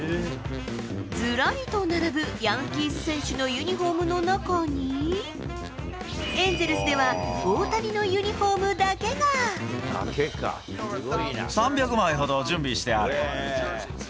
ずらりと並ぶヤンキース選手のユニホームの中に、エンゼルスでは、３００枚ほど準備してある。